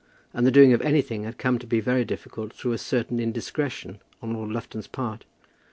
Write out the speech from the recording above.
And the doing of anything had come to be very difficult through a certain indiscretion on Lord Lufton's part.